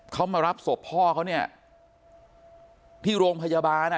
เขามารับศพพ่อเขาเนี่ยที่โรงพยาบาลอ่ะ